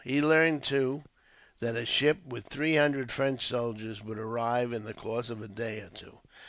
He learned, too, that a ship with three hundred French soldiers would arrive, in the course of a day or two.